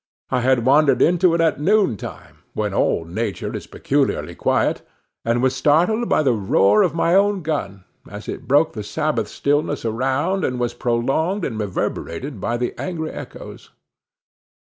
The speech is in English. I had wandered into it at noontime, when all nature is peculiarly quiet, and was startled by the roar of my own gun, as it broke the Sabbath stillness around and was prolonged and reverberated by the angry echoes.